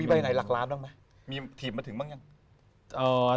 ใบไหนหลักล้านบ้างไหมมีถีบมาถึงบ้างยัง